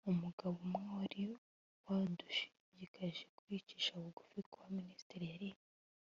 umugabo umwe wari wadushishikaje kwicisha bugufi kwa minisitiri yari